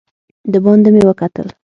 دباندې مې وکتل.